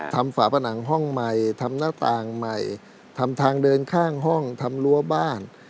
ฝาผนังห้องใหม่ทำหน้าต่างใหม่ทำทางเดินข้างห้องทำรั้วบ้าน